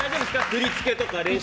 振り付けとか、練習とか。